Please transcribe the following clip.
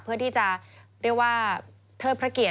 เพื่อที่จะเรียกว่าเทิดพระเกียรติ